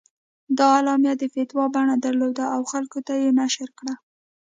دا اعلامیه د فتوا بڼه درلوده او خلکو ته یې نشر کړه.